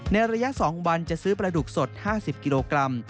ในระยะ๒วันจะซื้อปลาดุกสด๕๐กิโลกรัม